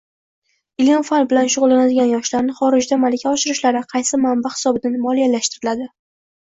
Ilm-fan bilan shug‘ullanadigan yoshlarni xorijda malaka oshirishlari qaysi manba hisobidan moliyalashtiriladi?